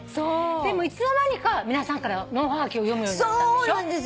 でもいつの間にか皆さんからのおはがきを読むようになったんでしょ？